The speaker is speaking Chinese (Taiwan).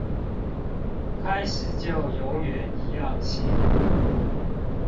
開始就永遠一樣鹹